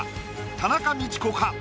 田中道子か？